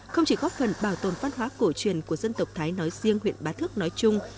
không chỉ góp phần bảo tồn văn hóa cổ truyền của dân tộc thái nói riêng huyện bá thước nói chung